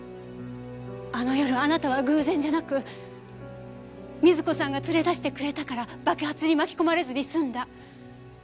あの夜あなたは偶然じゃなく瑞子さんが連れ出してくれたから爆発に巻き込まれずに済んだ。